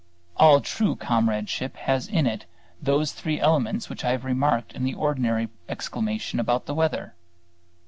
All true comradeship has in it those three elements which I have remarked in the ordinary exclamation about the weather.